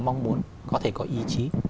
mong muốn có thể có ý chí